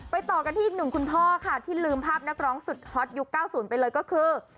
ต่อกันที่อีกหนึ่งคุณพ่อค่ะที่ลืมภาพนักร้องสุดฮอตยุค๙๐ไปเลยก็คือ